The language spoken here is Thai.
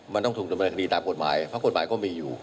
มันต้องถูกดำเนินคดีตามกฎหมายเพราะกฎหมายก็มีอยู่